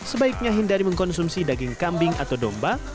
sebaiknya hindari mengkonsumsi daging kambing atau domba